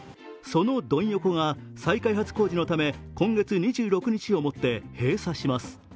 そのドン横が再開発工事のため今月２６日をもって閉鎖します。